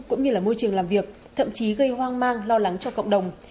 cũng như là môi trường làm việc thậm chí gây hoang mang lo lắng cho cộng đồng